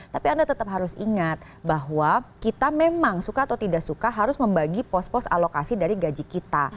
tapi anda tetap harus ingat bahwa kita memang suka atau tidak suka harus membagi pos pos alokasi dari gaji kita